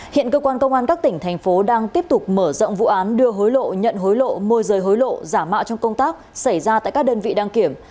hiện cơ quan công an các tỉnh thành phố đang tiếp tục mở rộng vụ án đưa hối lộ nhận hối lộ môi rời hối lộ giả mạo trong công tác xảy ra tại các đơn vị đăng kiểm